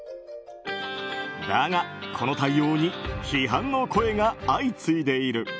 だが、この対応に批判の声が相次いでいる。